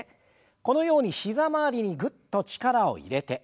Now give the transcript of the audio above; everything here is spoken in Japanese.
このように膝周りにぐっと力を入れて。